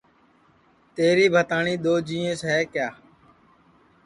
تیری بھتاٹؔی دؔو جینٚیس ہے کیا